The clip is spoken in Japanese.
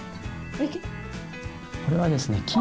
これはですね